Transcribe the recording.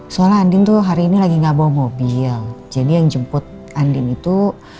soal andin tuh hari ini lagi nggak bawa mobil jadi yang jemput andin itu